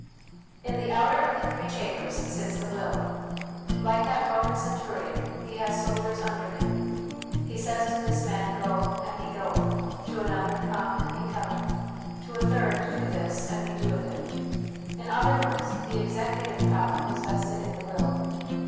In the outer of the three chambers sits the Will. Like that Roman centurion, he has soldiers under him : he says to this man, Go, and he goeth ; to another, Come, and he cometh ; to a third, Do this, and he doeth it. In other words, the executive power is vested in the will.